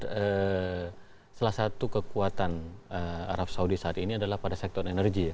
salah satu kekuatan arab saudi saat ini adalah pada sektor energi ya